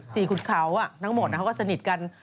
ขุดเขาทั้งหมดเขาก็สนิทกัน